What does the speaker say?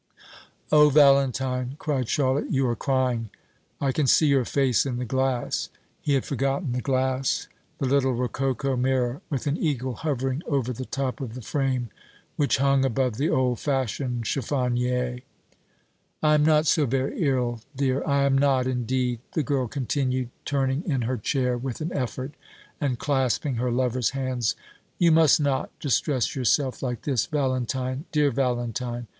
"O Valentine!" cried Charlotte, "you are crying; I can see your face in the glass." He had forgotten the glass; the little rococo mirror, with an eagle hovering over the top of the frame, which hung above the old fashioned chiffonier. "I am not so very ill, dear; I am not indeed," the girl continued, turning in her chair with an effort, and clasping her lover's hands; "you must not distress yourself like this, Valentine dear Valentine!